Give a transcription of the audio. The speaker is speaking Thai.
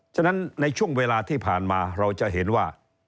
ฉะนั้นในช่วงเวลาที่ผ่านมาเราจะเห็นว่า